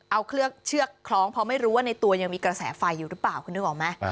เอาเชือกคล้องเพราะไม่รู้ว่าในตัวยังมีกระแสไฟอยู่หรือเปล่าคุณนึกออกไหม